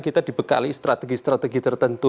kita dibekali strategi strategi tertentu